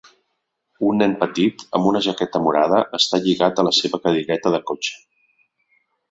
Un nen petit amb una jaqueta morada està lligat a la seva cadireta de cotxe.